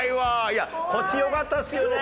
いやこっちよかったですけどね。